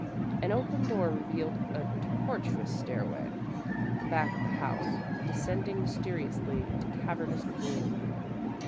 An open door revealed a tortuous stairway at the back of the house, descending mysteriously into cavernous gloom.